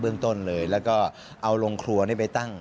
ต้นเลยแล้วก็เอาโรงครัวนี่ไปตั้ง